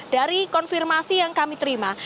dari konfirmasi yang kami terima